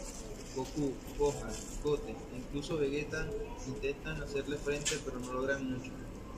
Gokū, Gohan, Goten, e incluso Vegeta intentan hacerle frente pero no logran mucho.